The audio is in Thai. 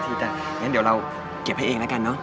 จะงั้นเดี๋ยวเราเก็บให้เองแล้วกันเนอะ